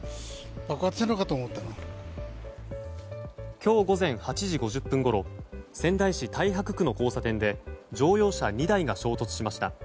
今日午前８時５０分ごろ仙台市太白区の交差点で乗用車２台が衝突しました。